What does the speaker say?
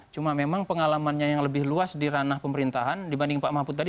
cuma memang pengalamannya yang lebih luas di ranah pemerintahan dibanding pak mahfud tadi